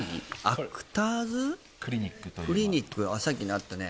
アクターズクリニックとクリニックさっきあったね